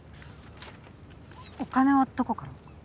お金はどこから？